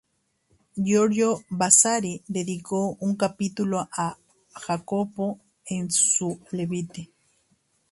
Giorgio Vasari dedicó un capítulo a Jacopo en su Le Vite.